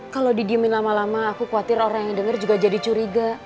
kalau didiemin lama lama aku khawatir orang yang denger juga jadi curiga